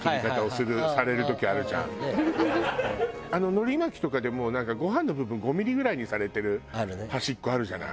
海苔巻きとかでもなんかご飯の部分５ミリぐらいにされてる端っこあるじゃない。